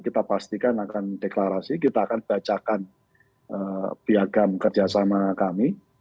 kita pastikan akan deklarasi kita akan bacakan piagam kerjasama kami